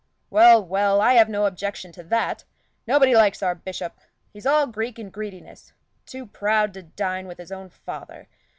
"Well, well, I have no objection to that. Nobody likes our bishop: he's all Greek and greediness; too proud to dine with his own father.